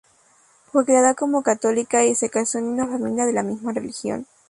Fue criada como católica, y se casó en una familia de la misma religión.